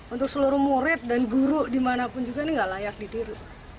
untuk seluruh murid dan guru dimanapun juga ini nggak layak ditiru